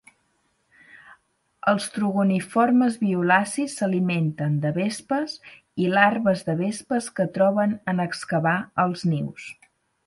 Els trogoniformes violacis s'alimenten de vespes i larves de vespes que troben en excavar els nius.